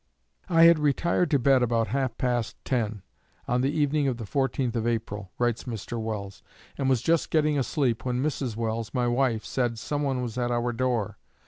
"I had retired to bed about half past ten on the evening of the 14th of April," writes Mr. Welles, "and was just getting asleep when Mrs. Welles, my wife, said some one was at our door....